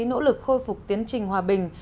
nỗ lực khôi phục tiến trình hòa bình